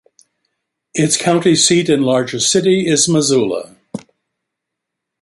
Its county seat and largest city is Missoula.